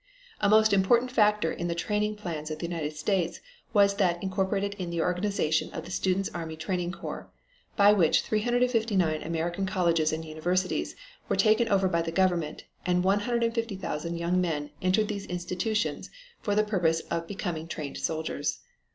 A most important factor in the training plans of the United States was that incorporated in the organization of the Students' Army Training Corps, by which 359 American colleges and universities were taken over by the government and 150,000 young men entered these institutions for the purpose of becoming trained soldiers.